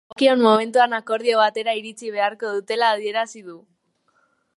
Dagokion momentuan akordio batera iritsi beharko dutela adierazi du.